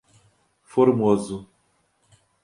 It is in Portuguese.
Formoso